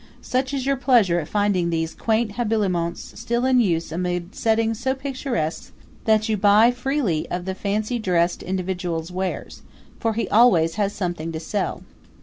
Such is your pleasure at finding these quaint habiliments still in use amid settings so picturesque that you buy freely of the fancy dressed individual's wares for he always has something to sell.